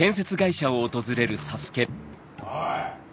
おい！